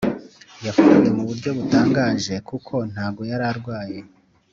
yapfuye mu buryo butangaje kuko ntago yari arwaye